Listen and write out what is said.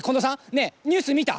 ねえニュース見た？